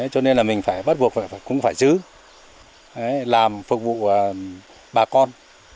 cho nên là mình phải bắt buộc phải cũng phải giữ làm phục vụ bà con